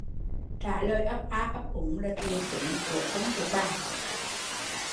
Trả lời ấp a ấp úng là triệu chứng của không thuộc bài